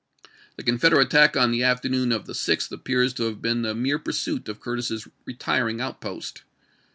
The Confederate attack on the afternoon of the 6tli appears to have been the mere pursuit of Cur tis's retiring outpost.